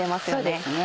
そうですね。